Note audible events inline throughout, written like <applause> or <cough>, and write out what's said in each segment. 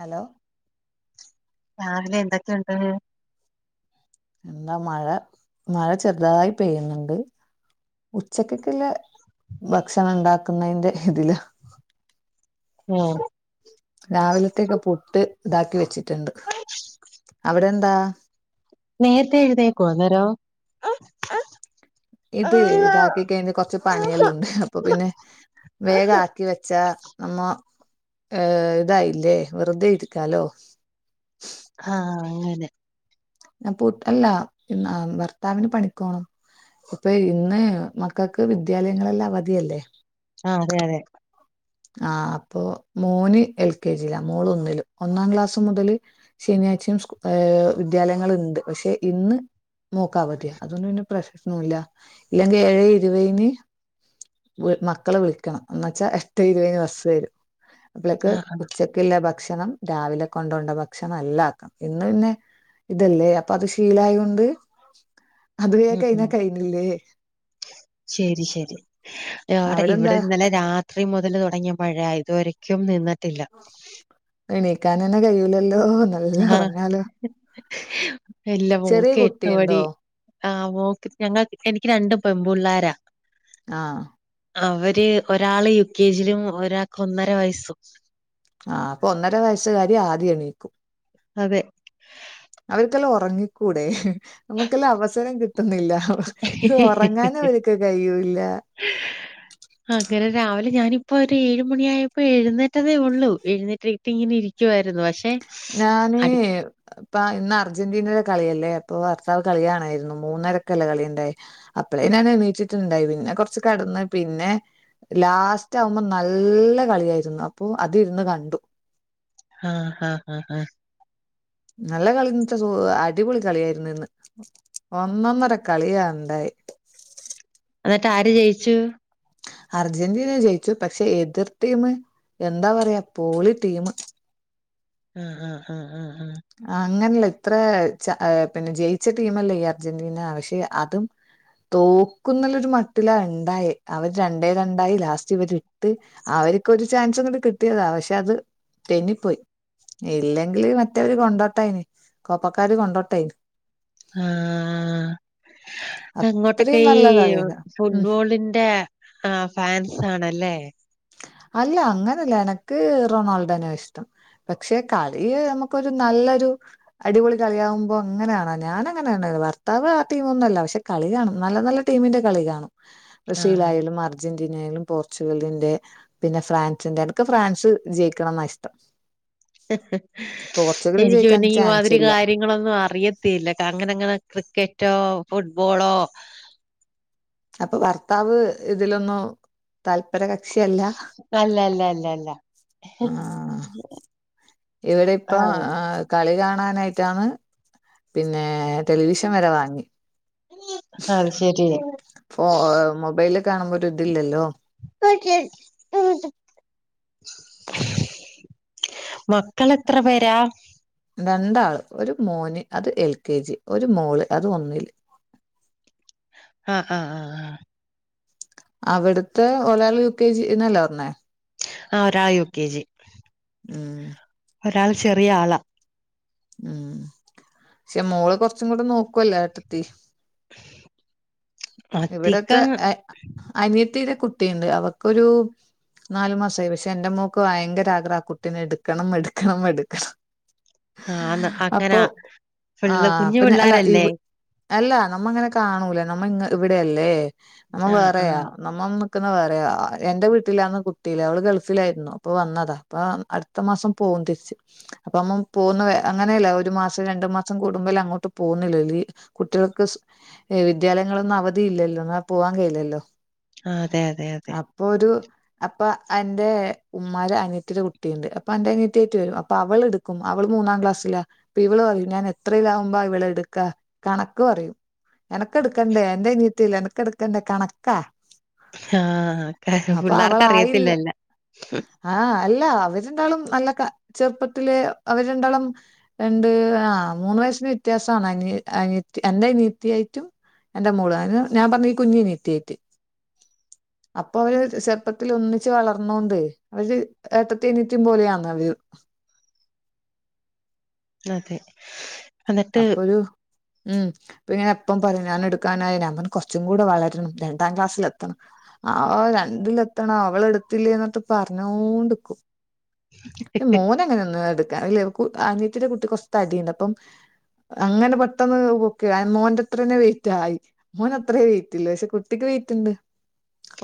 Hello രാവിലെ എന്തൊക്കെയുണ്ട് നല്ല മഴ മഴ ചെറുതായി പെയ്യണുണ്ട് ഉച്ചക്കേക്കുല്ലേ ഭക്ഷണം ഇണ്ടാക്കുന്നേന്റെ ഇതിലാ ഉം രാവിലത്തേക്ക് പുട്ട് ഇതാക്കി വെച്ചിട്ടുണ്ട് അവിടെ എന്താ നേരത്തെ എഴുന്നേക്കോ അന്നേരം ഇത് ആഹ് ഇതാക്കി കഴിഞ്ഞ് കൊറച്ച് പണിയെല്ലോണ്ട് അപ്പൊ പിന്നെ വേഗാക്കി വെച്ചാ നമ്മ ഏഹ് ഇതായില്ലേ വെറുതെ ഇരിക്കാലോ ആഹ് അങ്ങനെ ഇന്ന് പുട്ട് അല്ല ഭർത്താവിന് പണിക്കോണം അപ്പൊ ഇന്ന് മക്കക്ക് വിദ്യാലയങ്ങളെല്ലാം അവധിയല്ലേ ആഹ് അതെ അതെ ആഹ് അപ്പൊ മോന് എൽ കെ ജിയിലാ മോള് ഒന്നിലും ഒന്നാം ക്ലാസ് മുതല് ശനിയാഴ്ചയും സ്കൂ ഏഹ് വിദ്യാലയങ്ങളുണ്ട് പക്ഷെ ഇന്ന് മോക്ക് അവധിയാ അതുകൊണ്ട് പിന്നെ പ്രശ്നോല്ല ഇല്ലെങ്കി ഏഴെ ഇരുവെയിന് വി മക്കളെ വിളിക്കണം എന്ന് വച്ചാ എട്ട് ഇരുവീന് ബസ് വരും അപ്പളേക്ക് ആഹ് ആഹ് ഉച്ച ക്കില്ലെ ഭക്ഷണം രാവിലെ കൊണ്ടോണ്ട ഭക്ഷണം എല്ലാം ആക്കണം ഇന്ന് പിന്നെ ഇതല്ലേ അപ്പൊ അത് ശീലായൊണ്ട് അത് കേക്കഎന്നാ കഴിഞ്ഞില്ലേ ശെരി ശെരി അവിടെ ഇവിടെ ഇന്നലെ രാ ത്രി മുതൽ തൊടങ്ങിയ മഴയാ ഇതുവരേക്കും നിന്നിട്ടില്ല എണീക്കാൻ തന്നെ കയൂലല്ലോ എന്ന് ആഹ് എല്ലാം ചെറിയ മോക്ക് എട്ടുമണി കുട്ടിയുണ്ടോ ആഹ് നോക്ക ഞങ്ങൾ എനിക്ക് രണ്ടാ പെമ്പുള്ളോരാ ആഹ് അവര് ഒരാള് യു കെ ജിലും ഒരാൾക്ക് ഒന്നര വയസ്സും ആഹ് അപ്പൊ ഒന്നര വയസ്സുകാരി ആദ്യം എണീക്കും അതെ അവർക്കെല്ലാ ഒറങ്ങിക്കൂടെ നമുക്കെല്ലാം അവസരം കിട്ടുന്നില്ല ഇത് ഉറങ്ങാനും ഇവരക്ക് കഴിയൂല്ല അങ്ങനെ രാവിലെ ഞാനിപ്പൊ ഒരു ഏഴ് മണി ആയപ്പോ എഴുന്നേറ്റതേ ഉള്ളൂ എഴുന്നേറ്റ ഇങ്ങനെ ഇരിക്കുവായിരുന്നു പക്ഷെ ഞാനേ ഇപ്പൊ ഇന്ന് അർജന്റീനയുടെ കളിയല്ലേ അപ്പൊ ഭർത്താവ് കളിയാണായിരുന്നു മൂന്നരക്കല്ലേ കളിയുണ്ടായെ അപ്പളേ ഞാൻ എണീറ്റിട്ടുണ്ടായി പിന്നെ കൊറച്ച് കെടന്ന് പിന്നെ ലാസ്റ്റ് ആവുമ്പോ നല്ല കളിയായിരുന്നു അപ്പൊ അതിരുന്ന് കണ്ടു ആഹ് ഹാ ഹാ ഹാ നല്ല കളി എന്ന് വെച്ചാ അടിപൊളി കളിയായിരുന്നു ഇന്ന് ഒന്നൊന്നര കളിയാ ഉണ്ടായി എന്നിട്ട് ആര് ജയിച്ചു അർജന്റീന ജയിച്ചു പക്ഷെ എതിർ ടീം എന്താ പറയാ പൊളി ടീംമ് ഉംഹ് ഉംഹ് ഉംഹ് അങ്ങനല്ല ഇത്ര പിന്നെ ജയിച്ച ടീമല്ലേ ഈ അർജന്റീന പക്ഷെ അതും തോക്കുന്നുള്ളൊരു മട്ടിലാ ഉണ്ടായേ അവര് രണ്ടേ രണ്ടായി ലാസ്റ്റ് ഇവരെട്ട് അവരക്ക് ഒരു ചാൻസും കൂടി കിട്ടിയതാ പക്ഷെ അത് തെന്നിപ്പോയി ഇല്ലെങ്കില് മ റ്റവര് കൊണ്ടോട്ടായിന് കോപ്പക്കാര് കൊണ്ടോട്ടയിന് ആഹ് അത്രയും അങ്ങോട്ടൊക്കെ ഈ നല്ല കളിയാണ് ഉം ഫുട്ബോളിന്റെ ആഹ് ഫാൻസ് ആണല്ലേ അല്ല അങ്ങനെയല്ല എനക്ക് റൊണാൾഡോനെ ഇഷ്ടം പക്ഷെ കളിയ് നമു ക്കൊരു നല്ലൊരു അടിപൊളി കളിയാവുമ്പോ അങ്ങനെയാണ ഞാനങ്ങനെയാണ് ഭർത്താവ് ആഹ് ടീമ് ഒന്നും അല്ല പക്ഷെ കളി കാണും നല്ല നല്ല ടീമിന്റെ കളി കാണും ആഹ് ബ്രസീലായാലും അർ ജന്റീനയായാലും പോർച്ചുഗലിന്റെ പിന്നെ ഫ്രാൻസിന്റെ എനക്ക് ഫ്രാൻസ് ജയിക്കണംന്നാ ഇഷ്ടം പോർച്ചുഗൽ എനിക്ക് ജയിക്കാൻ പിന്നെ ഈ ചാൻസ് മാതിരി ഇല്ല കാര്യ ങ്ങളൊന്നും അറിയത്തില്ല അങ്ങനങ്ങനെ ക്രിക്കറ്റോ ഫുട്ബോളോ അപ്പൊ ഭർത്താവ് ഇതിലൊന്നും തല്പര കക്ഷിയല്ല അല്ല അല്ല അല്ല അല്ല ആഹ് ഇവിടെ ഇപ്പൊ ആഹ് കളി കാണാനായിട്ടാണ് പിന്നെ ടെലിവിഷൻ വരെ വാങ്ങി അത് ശരി ഫോ മൊബൈലിൽ കാണുമ്പോ ഒരു ഇതില്ലല്ലോ <unintelligible> മക്കൾ എത്ര പേരാ രണ്ടാള് ഒരു മോന് അത് എൽ കെ ജി ഒരു മോള് അത് ഒന്നില് ആഹ് ആഹ് ആഹ് ആഹ് അവിടുത്തെ ഒരാള് യു കെ ജീന്നല്ലേ പറഞ്ഞേ ആ ഒരാ യു കെ ജി ഉം ഒരാൾ ചെറിയ ആള. ഉം ക്ഷെ മോള് കൊറ്ച്ചും കൂടെ നോക്കൊല്ലൊ ഏട്ടത്തി. ഇവിടത്തെ അധികം എ അനിയത്തീടെ കുട്ടിണ്ട് അവക്കൊരു നാലു മാസായി. പക്ഷെ എന്റെ മോക്ക് ഭയങ്കര ആഗ്രഹ കുട്ടീനേ എടുക്കണം എടുക്കണം എടുക്കണം. ആന്ന് അപ്പൊ അങ്ങനാ ആ ഫ്ള്ള് കുഞ്ഞ് പിന്നെ അല്ല ഇവ പിള്ളാരെല്ലേ അല്ല നമ്മ് ഇങ്ങനെ കാണൂല. നമ്മ ഇവിടെയെല്ലേ നമ്മ ആഹ് വേറെയാ. ആഹ്. അമ്മം. നിക്ക്ന്ന വേറെയാ എന്റെ വീട്ടിലാന്ന് കുട്ടില്ലെ. ഓള് ഗൾഫിലായിരുന്നു ഇപ്പൊ വന്നതാ. ഇപ്പ അടുത്ത മാസം പോവും തിരിച്ച് അപ്പൊ അമംമ് പോവുന്ന് അങ്ങനെയല്ല ഒരു മാസം രണ്ടു മാസം കൂടുമ്പെല്ലെ അങ്ങോട്ട് പോകുന്നില്ല <unintelligible> കുട്ട്യേൾക്ക് സ് വിദ്യാലയങ്ങളൊന്നും അവധി ഇല്ലല്ലോ ഇന്നാ പോവാൻ കയിലല്ലോ. ആഹ് അതെ അതെ അതെ പോരു അപ്പാ അന്റെ ഉമ്മാരെ അനിത്തിയുടെ കുട്ടീണ്ട്. അപ്പൊ അന്റെ അനിയത്തി ആയിട്ട് വരും അപ്പൊ അവള് ഇടു അവൾ മൂന്നാം ക്ലാസ്സിലാ. ഇപ്പൊ ഇവൾ പറയും ഞാന് എത്രീ യിലാവുമ്പാ ഇവളെ ഇട്ക്കാ കണക്ക് പറയും. ക്കെടുക്കെണ്ടേ അന്റ അനിയത്ത്യല്ല നിക്ക എടുക്കണ്ടേ കണക്കാ. ആഹ് പിള്ളാർക്ക അറിയത്തില്ലല്ല ആഹ് അല്ല അവര്ണ്ടാളും നല്ല ക്ക ചെറുപ്പത്തിലെ അവർ രണ്ടാളും. രണ്ട് ആ മൂന്നു വയസ്സിന് വ്യത്യാസാണ്. അനി അനി അന്റ അനിയത്തിയായി റ്റും. അന്റ മോള് അന് ഞാൻ പറ്ഞ്ഞു. ഈ കുഞ്ഞ് അനിയത്ത്യായിട്ട്. അപ്പൊ അവര് ചെറുപ്പത്തിൽ ഒന്നിച്ച് വളർന്നോണ്ട്. ഒര് ഏട്ടത്തി അനിയത്തിം പോലെയാന്ന <unintelligible> അവര് അതെ എന്നിട്ട് അപ്പൊരു ഉം ഇപ്പൊ ഇങ്ങനെ എപ്പം പറിം. ഞാന് ഇടുക്കാനായി അവൻ കൊറ്ച്ചും കൂടെ വളരണം രണ്ടാം ക്ലാസ്സിൽ എത്തണം. ആ രണ്ടില എത്തണം അവള് എടുത്തണം. അവള് ഇട്ത്തില്ലെ. ഇന്നത്ത്. പറ്ഞ്ഞോണ്ട്ക്കും. മോന അങ്ങനെ ഒന്ന് എടുക്കാ <unintelligible> ഇല്ലെ അനിയത്തിടെ കുട്ടി കൊർ തടിണ്ട് അപ്പം. അങ്ങനെ പെട്ടെന്ന് പൊക്ക <unintelligible> മോന്റെ അത്രന്നെ വെയിറ്റ് ആയി. മോൻ അത്രേ വെയിറ്റില്ല. പക്ഷെ കുട്ടിക്ക് വെയിറ്റ് ഇണ്ട്.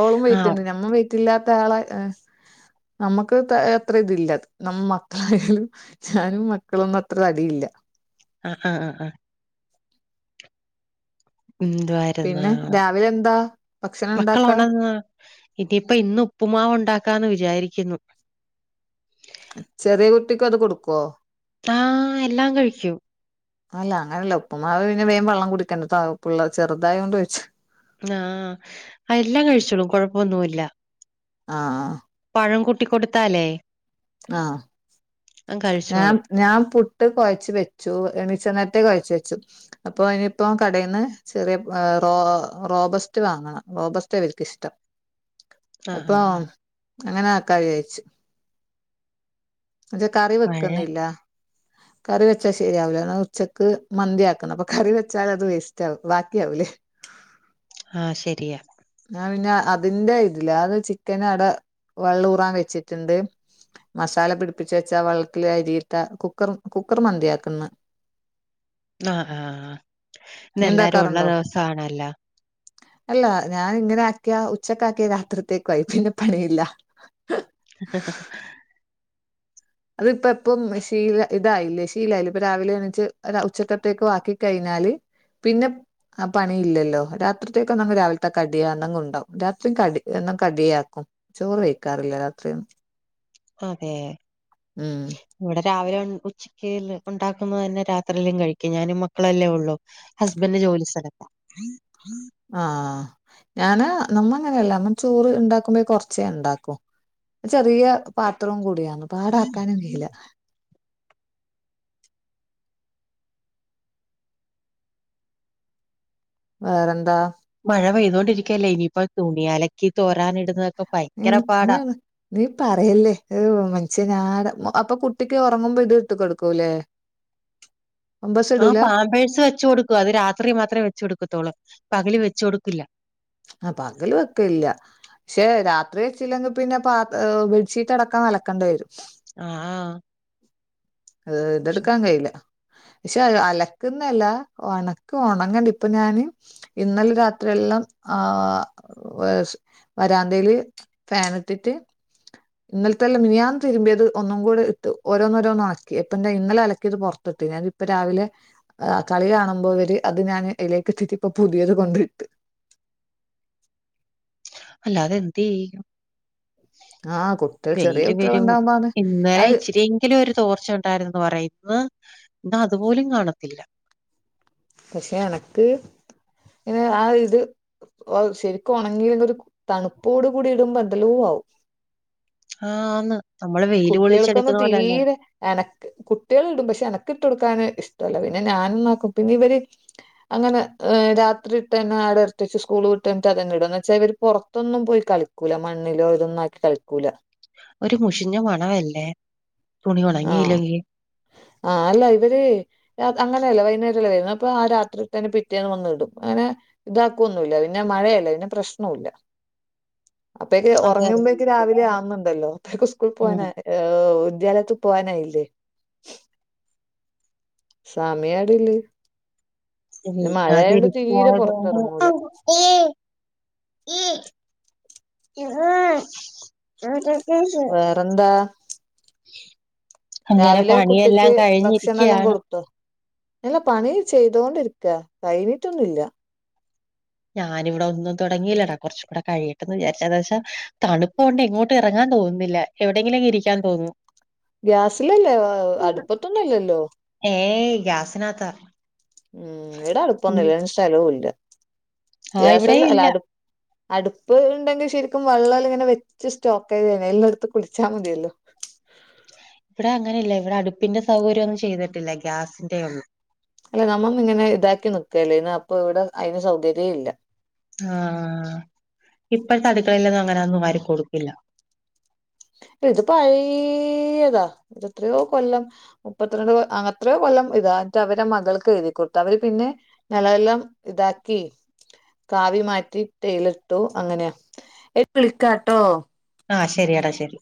ഓളും ആഹ് വെയിറ്റുണ്ട് ഞമ്മ വെ റ്റ് ഇല്ലാത്ത ആളാ നമുക്ക് അത്ര ഇതില്ല നമ്മ മക്കളായാലും. ചാനും മക്കളൊന്നും അത്ര തടിയില്ല. ആഹ് ആഹ് ആഹ് എന്ത്വാരുന്ന പിന്നെ രാവിലെ എന്താ ഭക്ഷണം മക്കള് ഉണ്ടാക്കാ ഒണന്നൊ. <unintelligible> ഇതീപ്പ ഇന്ന് ഉപ്പുമാവ് ഉണ്ടാക്കാന്ന് വിചാരിക്കുന്നു. ചെറ്യേ യ കുട്ടിക്കും അത് കൊടുക്കോ. ആ എല്ലാം കഴിക്കും അല്ല അങ്ങനല്ല ഉപ്പ്മാവ് പിന്നെ വേം വള്ളം കുടിക്കെണ്ടെ. പിള്ള ചെറുതായോണ്ട് ചോയ്ച്ച. ആഹ് അ എല്ലാം കഴിച്ചോളും കൊഴപ്പൊന്നുല്ല ആഹ് പഴം കൂട്ടികൊടുത്താലേ. ആഹ് ഞാൻ കഴിച്ചോളും. ഞാൻ പുട്ട് കൊഴച്ച് വെച്ചു. എണീച്ചനേരത്തെ കൊഴച്ച് വെച്ചു. അപ്പോ ഇനിയിപ്പോ കടേന്ന് ചെറിയ റോ റോബസ്റ്റ് വാങ്ങണം റോബസ്റ്റ് ഇവർക്ക് ഇഷ്ടം. <unintelligible> ആഹ് അപ്പൊ ആഹ് ആഹ് അങ്ങനെ ആക്കാ വിയാര്ച്. അത് കറി പഴം വെക്കുന്നില്ല <unintelligible> കറി വെച്ചാ ശരിയാവുല ഇന്നാ ഉച്ചക്ക് മന്തിയാക്ക്ന്നു. അപ്പൊ കറി വെച്ചാൽ അത് വേസ്റ്റ് ആവും. വാക്കി യാവുലേ. ആഹ് ശെരിയാ ന്നാ പിന്നെ അതിന്റെ ഇതില്ല. അത് ചിക്കന് അട വെള്ളൂറാൻ വെച്ചിട്ട്ണ്ട്. മസാല പിടിപ്പിച്ച് വെച്ചാ വെള്ളത്തില് അരിയിട്ടാ കുക്കർ കുക്കർ മന്തിയാക്കാന്ന് ആഹ് ആഹ് നീ ഇന്നെല്ലാരും ഉള്ള ഉണ്ടാക്കാറുണ്ടോ ദിവസാണല്ലോ അല്ല ഞാൻ ഇങ്ങനെ ആക്കിയ ഉച്ചക്ക് ആക്കിയാ രാത്രിത്തേക്കും ആയി പിന്നെ പണിയില്ല. <unintelligible> അതിപ്പം എപ്പം ശീല ഇതായില്ലേ ശീലായില്ലേ ഇപ്പൊ രാവിലെ എണീച്ച് ഉച്ചക്കത്തേക്കും ആക്കി കഴിഞ്ഞാല് പിന്നെ ആഹ് പണിയില്ലല്ലോ രാത്രിത്തേക്കൊള്ളത് രാവിലത്തെ കടി യണ്ണൻ കൊണ്ടോവും രാത്രിയും കടി എന്നും കടിയാക്കും ചോറ് വെക്കാറില്ല രാത്രിയൊന്നും അതെ ഉം ഇവിടെ രാവിലെ ഉച്ചക്ക് ഉണ്ടാക്കുന്നത് തന്നെ രാത്രിയിലും കഴിക്കും ഞാനും മക്കളല്ലേ ഉള്ളു ഹസ്ബൻഡ് ജോലി സ്ഥലത്താ ആഹ് ഞാന് നമ്മ അങ്ങനെയല്ല നമ്മ ചോറ് ഉണ്ടാക്കുമ്പം കൊറച്ചേ ഉണ്ടാക്കും ചെറിയ പാത്രവും കൂടിയാണ് പാടാക്കാനും കയില്ല. വേറെന്താ മഴ പെയ്തുകോണ്ടിരിക്കുകല്ലേ ഇനിയിപ്പോ തുണിയലക്കി തോരാനിടുന്ന <unintelligible> നീ പറയല്ലേ ഏഹ് മനുഷ്യനാട അപ്പൊ കുട്ടിക്ക് ഉറങ്ങുമ്പോ ഇത് ഇട്ട് കൊടുക്കൂല്ലേ? <inaudible> ആഹ് പാമ്പേഴ്സ് വെച്ചു കൊടുക്കും അത് രാത്രി മാത്രമേ വെച്ച് കൊടുക്കത്തോള്ളു പകല് വെച്ച് കൊടുക്കില്ല. ആഹ് പകല് വെക്കില്ല. പക്ഷെ രാത്രി വെച്ചില്ലെങ്കിൽ പിന്നെ പാ ബെഡ്ഷീറ്റ് അടക്കം അലക്കേണ്ടി വരും. ആഹ് ആഹ് അത് ഇതെടുക്കാൻ കഴയില്ല. പക്ഷെ അലക്കുന്നല്ല ഉണക്ക് ഉണ ഇപ്പൊ ഞാന് ഇന്നലെ രാത്രിയെല്ലാം ആഹ് വരാന്തേല് ഫാൻ ഇട്ടിട്ട് ഇന്നലത്തെയല്ല മിനിയാന്ന്തിരുമ്പിയത് ഒന്നും കൂടെ ഓരോന്ന്ഓരോന്ന് ഒണക്കി ഇപ്പം ദേ ഇന്നലെ അലക്കിയത് പുറത്തിട്ട് ഞാനിപ്പോ രാവിലെ ആഹ് കളി കാണുമ്പോവര് അത് ഞാന് ഇയിലേക്കിട്ടിട്ട് ഇപ്പൊ പുതിയത് കൊണ്ടിട്ട്. അല്ലാതെന്തെയ്യും ആഹ് കുട്ടികൾ ചെറിയ വെയില് കുട്ടികൾ വരും ഉണ്ടാവുമ്പാണ് ഇന്നലെ അത് അത് ഇച്ചിരി എ ങ്കിലും ഒരു തോർച്ച ഉണ്ടായിരുന്നുന്ന് പറയും ഇന്ന് അതുപോലും കാണത്തില്ല. പക്ഷെ എനക്ക് പിന്നെ ആഹ് ഇത് ശെരിക്കും ഉണങ്ങില്ലെങ്കൊ ഒരു തണുപ്പോട് കൂടി ഇടുമ്പോന്തെല്ലോ ആവും. ആഹ് ആന്ന് നമ്മള് വെയില് കുട്ടികൾക്കൊന്നും കൊള്ളിച്ചെടുക്കുന്ന പോലെല്ല തീരെ എനക്ക് കുട്ടികൾ ഇടും പക്ഷെ എനക്ക് ഇട്ട് കൊടുക്കാൻ ഇഷ്ടമല്ല പിന്നെ ഞാനന്നോക്കും പിന്നെ ഇവര് അങ്ങനെ രാത്രി ഇട്ട തന്നെ ആടെ എടുത്തെച്ച് സ്കൂൾ വിട്ട് വന്ന് അതന്നെ ഇടും എന്ന് വെച്ചാൽ ഇവര് പുറത്തൊന്നും പോയി കളി ക്കൂല മണ്ണിലോ ഇതൊന്ന് ആക്കി കളിക്കൂല. ഒരു മുഷിഞ്ഞ മണവല്ലേ തുണി ആഹ് ഉണങ്ങിയില്ലെങ്കി? ആഹ് അല്ല ഇവര് അങ്ങനെയല്ല വൈകുന്നേരല്ലേ വരും അപ്പൊ ആഹ് രാത്രി തന്നെ പിറ്റേന്ന് വന്നിടും അങ്ങനെ ഇതാക്കുവൊന്നുല്ല പിന്നെ മഴയല്ലെ പിന്നെ പ്രശ്നവൂല്ല. <inaudible> അപ്പോയ്ക്ക് അതെ അതെ ഉറങ്ങുമ്പേക്ക് രാവിലെ വീട്ടിലാണ് ആവുന്നുണ്ടല്ലോ അപ്പൊക്കെ സ്കൂളിൽ ഉം പോകാന് വിദ്യാലയ പോവാനായില്ലേ? സമയായതുള്ളു എണീക്കാതെ തീരെ പുറത്തിറങ്ങൂല ഇരിക്കുവാണേലോ <unintelligible> വേറെന്താ <unintelligible> രാവിലെ പണിയെല്ലാം കുട്ടിക്ക് ഭക്ഷണെല്ലാം കഴിഞ്ഞിരിക്കയാണ് കൊടുത്തോ? അല്ല പണി ചെയ്തോണ്ടിരിക്ക കഴിഞ്ഞിട്ടൊന്നുല്ല. ഞാനിവിടെ ഒന്നും തൊടങ്ങിയില്ലെടാ കൊറച്ച് ഇവിടെ കഴിയട്ടെന്ന് വിചാരിച്ചു എന്താ വച്ചാ തണുപ്പ് കൊണ്ട് എങ്ങോട്ടും എറങ്ങാൻ തോന്നുന്നില്ല എവിടെങ്കിലൊക്കെ ഇരിക്കാൻ തോന്നും. ഗ്യാസിലല്ലേ അടുപ്പത്തൊന്നും അല്ലല്ലോ? ഏയ് ഗ്യാസിനാത്താ ഉം ഇവിടെ അടുപ്പൊന്നുല്ല അതിന് സ്ഥലോല്ല ആ ഗ്യാസ് ഇവിടെ അല്ല ഇല്ല അടു അടുപ്പ് ഇണ്ടെങ്കിൽ ശരിക്കും വെള്ളം ഇങ്ങനെ വ ഇച്ച് സ്റ്റോക്കെയതേനി എല്ല എടുത്ത് കുടിച്ചാ മതിയല്ലോ എടാ അങ്ങനെയല്ല ഇവിടെ അടുപ്പിന്റെ സൗകര്യോന്നും ചെയ്തിട്ടില്ല ഗ്യാസിന്റെ ഉള്ളൂ അല്ല നമ്മ ഇങ്ങനെ ഇതാക്കി നിക്കല്ലേന്നോ അപ്പൊ ഇവിടെ അയ്ന് സൗകര്യ ഇല്ല ആഹ് ഇപ്പത്തെ അടുക്കളയിലൊന്നും അങ്ങനെ ഒന്നും ആരും കൊടുക്കില്ല ഇത് പഴയതാ ഇത് എത്രയോ കൊല്ലം മുപ്പത്തിരണ്ട് ആ അത്രയോ കൊല്ലം ഇതാ എന്നിട്ട് അവരെ മകൾക്ക് എഴുതി കൊടുത്ത് അവര് പിന്നെ നല്ല നല്ലം ഇതാക്കി കാവി മാറ്റി ടൈലിട്ടു അങ്ങനെയ ഏഴ് വിളിക്കാട്ടോ ആഹ് ശരിയെടാ ശരി